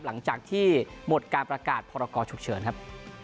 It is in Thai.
หลังจากที่หมดการประกาศพรกรฉุกเฉินครับ